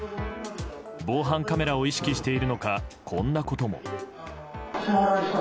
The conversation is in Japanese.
防犯カメラを意識しているのかこんなことも。